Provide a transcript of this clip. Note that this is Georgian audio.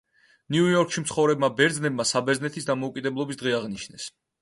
ნიუ-იორკში მცხოვრებმა ბერძნებმა, საბერძნეთის დამოუკიდებლობის დღე აღნიშნეს.